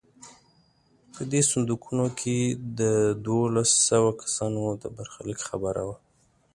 په دې صندوقونو کې د دولس سوه کسانو د برخلیک خبره وه.